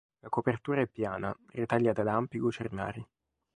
La copertura è piana, ritagliata da ampi lucernari.